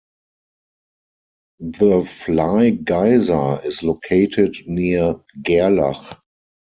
The Fly Geyser is located near Gerlach.